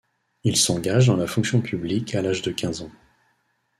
Il s'engage dans la fonction publique à l'âge de quinze ans.